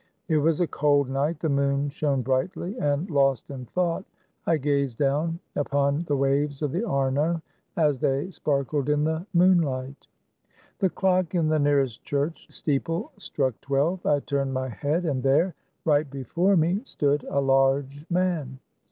It was a cold night. The moon shone brightly, and, lost in thought, I gazed down upon the waves of the Arno, as they sparkled in the moonlight. The clock in the nearest church steeple struck twelve. I turned my head, and there, right before me, stood a large man.